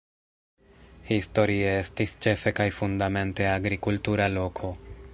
Historie estis ĉefe kaj fundamente agrikultura loko.